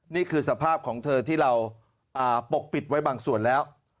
นี่คือสภาพของเธอที่เราปกปิดไว้บางส่วนแล้ว